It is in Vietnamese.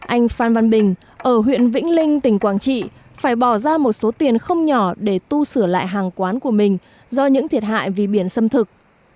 anh phan văn bình ở huyện vĩnh linh tỉnh quảng trị phải bỏ ra một số tiền không nhỏ để tu sửa lại hàng quán của mình do những thiệt hại vì biển xâm thực